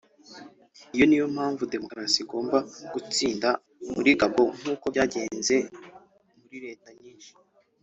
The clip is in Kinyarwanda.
Iyi ni yo mpamvu demokarasi igomba gutsinda muri Gabon nk’uko byagenze muri Leta nyinshi